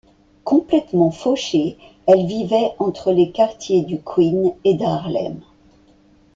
Complètement fauchée, elle vivait entre les quartiers du Queens et d'Harlem.